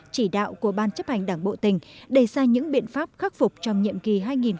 chỉ đạo của ban chấp hành đảng bộ tỉnh đề ra những biện pháp khắc phục trong nhiệm kỳ hai nghìn hai mươi hai nghìn hai mươi năm